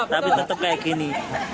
tapi tetap kayak gini